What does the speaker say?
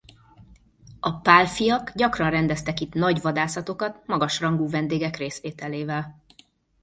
A Pálffyak gyakran rendeztek itt nagy vadászatokat magas rangú vendégek részvételével.